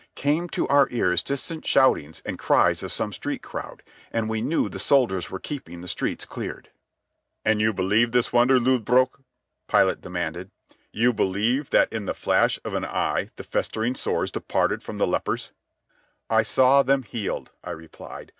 Came to our ears distant shoutings and cries of some street crowd, and we knew the soldiers were keeping the streets cleared. "And you believe this wonder, Lodbrog?" Pilate demanded. "You believe that in the flash of an eye the festering sores departed from the lepers?" "I saw them healed," I replied.